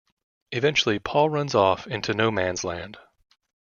Eventually, Paul runs off into no-man's land.